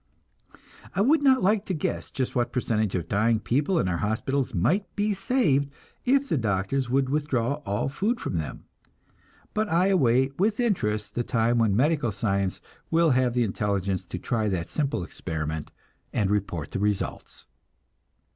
I would not like to guess just what percentage of dying people in our hospitals might be saved if the doctors would withdraw all food from them, but I await with interest the time when medical science will have the intelligence to try that simple experiment and report the results.